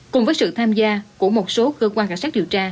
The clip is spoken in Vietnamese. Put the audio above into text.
cùng với sự tham gia của một số cơ quan cảnh sát điều tra